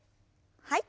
はい。